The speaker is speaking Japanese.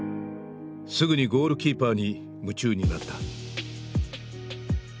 すぐにゴールキーパーに夢中になった。